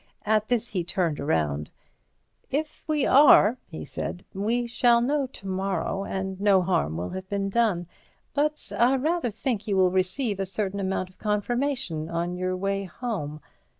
At this he turned round: "If we are," he said, "we shall know to morrow, and no harm will have been done. But I rather think you will receive a certain amount of confirmation on your way home.